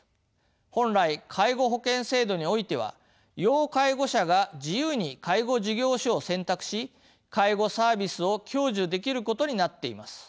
本来介護保険制度においては要介護者が自由に介護事業所を選択し介護サービスを享受できることになっています。